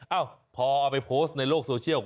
เอ้าพอเอาไปโพสต์ในโลกโซเชียล